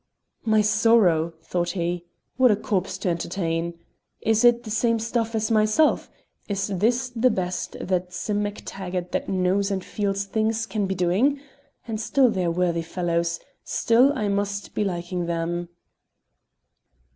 "My sorrow!" thought he, "what a corps to entertain! Is it the same stuff as myself? Is this the best that Sim MacTaggart that knows and feels things can be doing? And still they're worthy fellows, still I must be liking them."